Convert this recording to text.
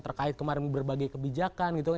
terkait kemarin berbagai kebijakan gitu